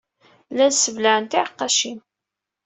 Llan sseblaɛen tiɛeqqacin.